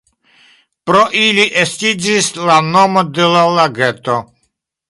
Pro ili estiĝis la nomo de la lageto.